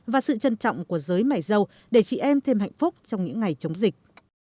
và sự trân trọng của giới mại dâu để chị em thêm hạnh phúc trong những ngày chống dịch